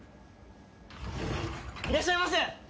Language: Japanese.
いらっしゃいませ！